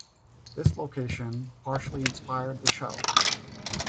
This location partially inspired the show.